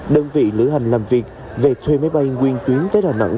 đơn vị lữ hành làm việc về thuê máy bay nguyên chuyến tới đà nẵng